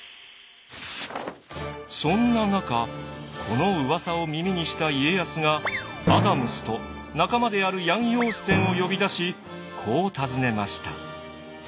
そんな中このうわさを耳にした家康がアダムスと仲間であるヤン・ヨーステンを呼び出しこう尋ねました。